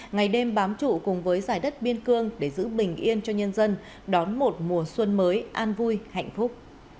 ngày đêm bám trụ cùng với giải đất biên cương để giữ bình yên cho nhân dân đón một mùa xuân mới an vui hạnh phúc